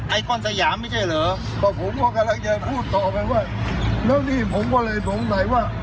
ก้อนสยามไม่ใช่เหรอก็ผมก็กำลังจะพูดต่อไปว่าแล้วนี่ผมก็เลยสงสัยว่า